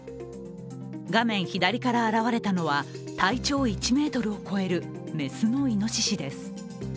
画面左から現れたのは体長１ｍを超える雌のいのししです。